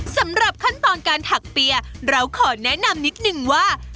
สำหรับขั้นตอนการถักปรียะเราขอแนะนำนิดนึงหน่อยครับ